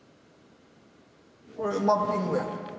これマッピングやねん。